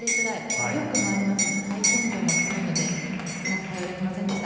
威力もあるし回転量も強いので対応できませんでした。